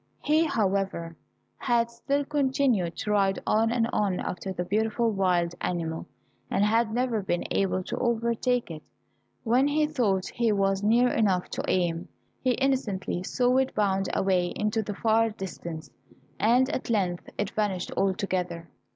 He, however, had still continued to ride on and on after the beautiful wild animal, and had never been able to overtake it; when he thought he was near enough to aim, he instantly saw it bound away into the far distance, and at length it vanished altogether.